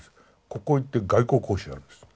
ここへ行って外交交渉やるんです。